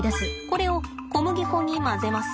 これを小麦粉に混ぜます。